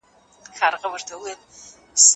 د فارابي نظر له چا سره ورته دی؟